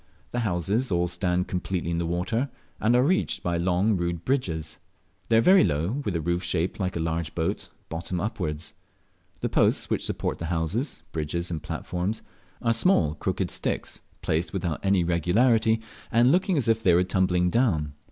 The houses all stand completely in the water, and are reached by long rude bridges. They are very low, with the roof shaped like a large boat, bottom upwards. The posts which support the houses, bridges, and platforms are small crooked sticks, placed without any regularity, and looking as if they were tumbling down.